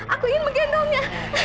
aku ingin menggendongnya